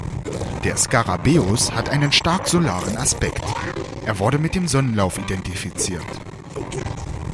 Der Skarabäus hat einen stark solaren Aspekt: Er wurde mit dem Sonnenlauf identifiziert.